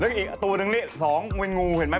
ตัวของมันหนึ่งนี่๒งูเห็นไหม